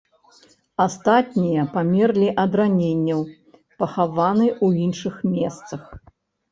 Астатнія памерлі ад раненняў пахаваны ў іншых месцах.